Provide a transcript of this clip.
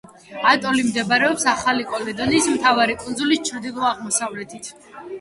ატოლი მდებარეობს ახალი კალედონიის მთავარი კუნძულის ჩრდილო-აღმოსავლეთით.